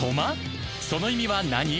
［その意味は何？